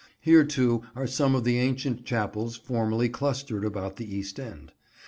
Here too are some of the ancient chapels formerly clustered about the east end.